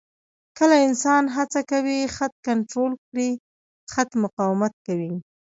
کله انسان هڅه کوي خط کنټرول کړي، خط مقاومت کوي.